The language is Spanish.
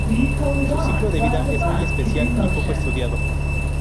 Su ciclo de vida es muy especial y poco estudiado.